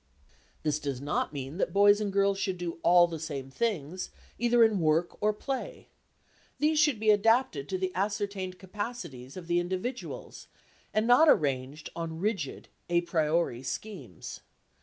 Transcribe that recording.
This does not mean that boys and girls should do all the same things, either in work or play; these should be adapted to the ascertained capacities of the individuals and not arranged on rigid a priori schemes.